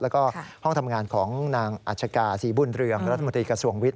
แล้วก็ห้องทำงานของนางอัชกาศรีบุญเรืองรัฐมนตรีกระทรวงวิทย